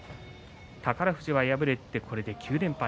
宝富士が敗れてこれで９連敗。